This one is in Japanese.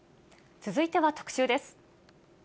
続いては特集です。